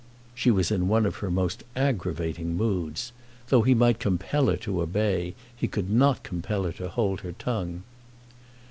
She was in one of her most aggravating moods. Though he might compel her to obey, he could not compel her to hold her tongue.